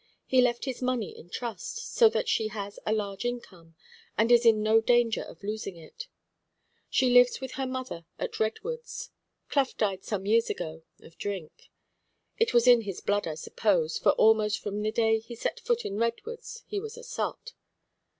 He left his money in trust, so that she has a large income, and is in no danger of losing it. She lives with her mother at Redwoods. Clough died some years ago of drink. It was in his blood, I suppose, for almost from the day he set foot in Redwoods he was a sot."